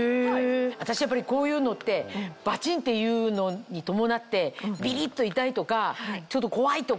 私こういうのってバチンっていうのに伴ってビリっと痛いとかちょっと怖いとか。